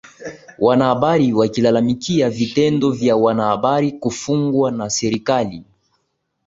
wanahabari wakilalamikia vitendo vya wanahabari kufungwa na serikali